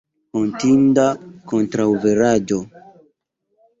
Hontinda kontraŭveraĵo!